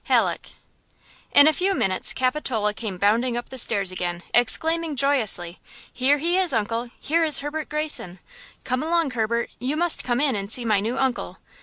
–HALLECK. IN a few minutes Capitola came bounding up the stairs again, exclaiming joyously: "Here he is, uncle! Here is Herbert Greyson! Come along, Herbert; you must come in and see my new uncle!"